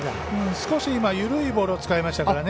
少し今、緩いボールを使いましたね。